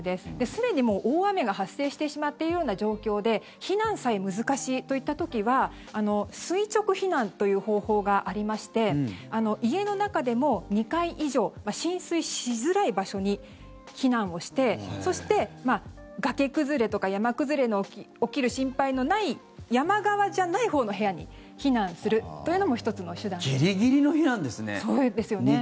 すでにもう、大雨が発生しているような状況で避難さえ難しいといった時は垂直避難という方法がありまして家の中でも２階以上浸水しづらい場所に避難をしてそして、崖崩れとか山崩れの起きる心配のない山側じゃないほうの部屋に避難するというのもギリギリの避難ですね。